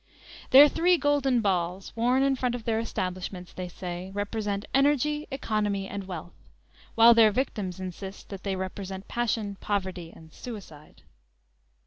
Their three golden balls, worn in front of their establishments, they say, represent energy, economy and wealth; while their victims insist that they represent passion, poverty and suicide.